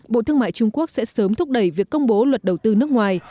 bộ thương mại trung quốc sẽ sớm thúc đẩy việc công bố luật đầu tư nước ngoài